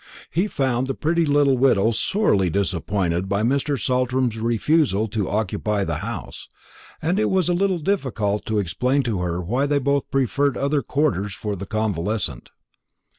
He found the pretty little widow sorely disappointed by Mr. Saltram's refusal to occupy her house, and it was a little difficult to explain to her why they both preferred other quarters for the convalescent.